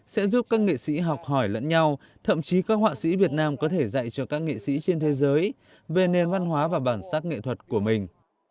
sẽ giúp các nghệ sĩ học hỏi lẫn nhau thậm chí các họa sĩ việt nam có thể dạy cho các nghệ sĩ trên thế giới về nền văn hóa và bản sắc nghệ thuật của mình